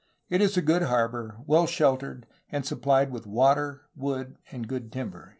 It is a good harbor, well sheltered, and supplied with water, wood, and good timber."